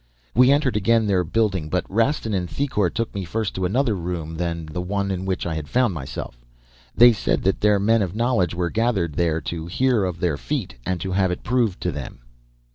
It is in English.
"We entered again their building but Rastin and Thicourt took me first to another room than the one in which I had found myself. They said that their men of knowledge were gathered there to hear of their feat, and to have it proved to them.